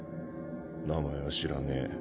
名前は知らねぇ。